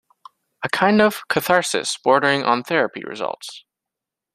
A kind of catharsis bordering on therapy results.